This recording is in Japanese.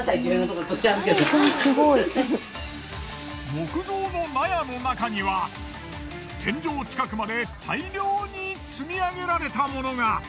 木造の納屋の中には天井近くまで大量に積み上げられた物が。